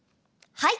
はい。